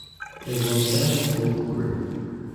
They won Best Vocal Group.